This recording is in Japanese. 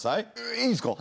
いいんすか？